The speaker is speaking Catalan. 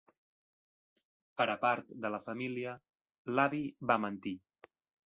Per a part de la família, l'avi va mentir.